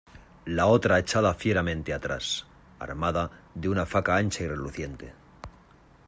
la otra echada fieramente atrás, armada de una faca ancha y reluciente.